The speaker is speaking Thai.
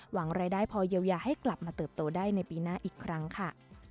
หวังรายได้พอเยียวยาให้กลับมาเติบโตได้ในปีหน้าอีกครั้งค่ะ